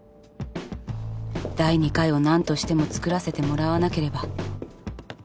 第２回を何としても作らせてもらわなければ。